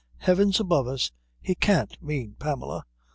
"Heavens above us, he can't mean Pamela?"